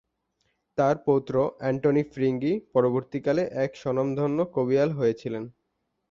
তাঁর পৌত্র অ্যান্টনি ফিরিঙ্গি পরবর্তীকালে এক স্বনামধন্য কবিয়াল হয়েছিলেন।